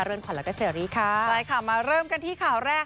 ขวัญแล้วก็เชอรี่ค่ะใช่ค่ะมาเริ่มกันที่ข่าวแรก